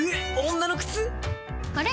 女の靴⁉あれ？